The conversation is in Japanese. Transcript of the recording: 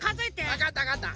わかったわかった。